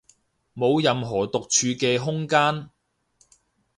冇任何獨處嘅空間